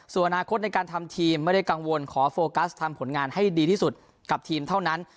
ส่วนอนาคตในการทำทีมไม่ได้กังวลขอโฟกัสทำผลงานให้ดีที่สุดกับทีมเท่านั้น